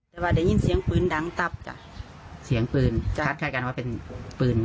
แต่ว่าได้ยินเสียงปืนดังตับจ้ะเสียงปืนก็คัดคล้ายกันว่าเป็นปืน